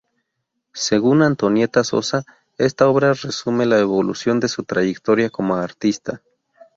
Según Antonieta Sosa, esta obra resume la evolución de su trayectoria como artista.